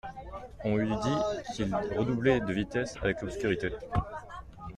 On eût dit qu'il redoublait de vitesse avec l'obscurité.